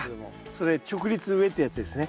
それ直立植えってやつですね。